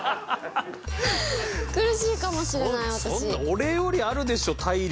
俺よりあるでしょ体力。